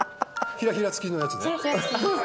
ひらひら付きのやつ。